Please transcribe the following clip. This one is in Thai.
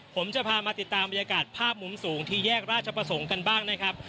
ผมจะพามาติดตามบรรยากาศภาพมุมสูงที่แยกราชประสงค์กันบ้างนะครับ